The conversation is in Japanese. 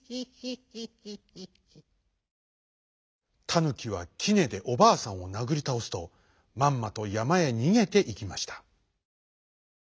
タヌキはきねでおばあさんをなぐりたおすとまんまとやまへにげていきました。